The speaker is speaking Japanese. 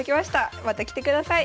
また来てください。